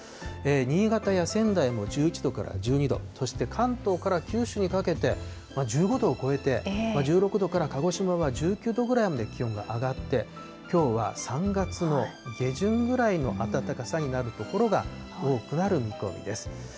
新潟や仙台も１１度から１２度、そして関東から九州にかけて、１５度を超えて、１６度から、鹿児島は１９度ぐらいまで気温が上がって、きょうは３月の下旬ぐらいの暖かさになる所が多くなる見込みです。